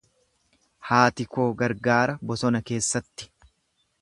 Haati koo gargaara bosona keessatti.